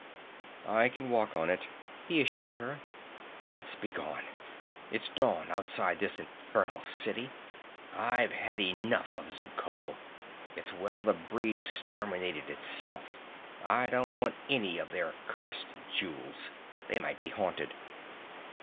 "I can walk on it," he assured her. "Let's begone. It's dawn, outside this infernal city. I've had enough of Xuchotl. It's well the breed exterminated itself. I don't want any of their accursed jewels. They might be haunted."